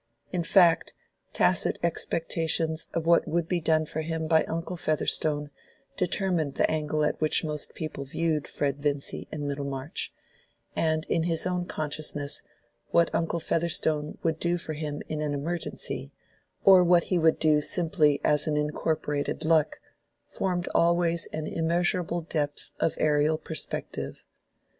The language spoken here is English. In fact, tacit expectations of what would be done for him by uncle Featherstone determined the angle at which most people viewed Fred Vincy in Middlemarch; and in his own consciousness, what uncle Featherstone would do for him in an emergency, or what he would do simply as an incorporated luck, formed always an immeasurable depth of aerial perspective.